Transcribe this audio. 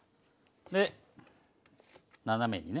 で斜めにね